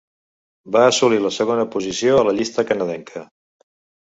Va assolir la segona posició a la llista canadenca.